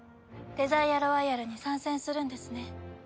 デザイアロワイヤルに参戦するんですね。